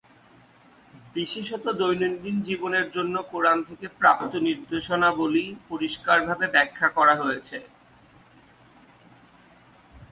বিশেষত দৈনন্দিন জীবনের জন্য কুরআন থেকে প্রাপ্ত নির্দেশাবলী পরিষ্কারভাবে ব্যাখ্যা করা হয়েছে।